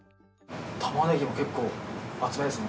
タマネギも結構厚めですね。